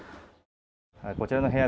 こちらの部屋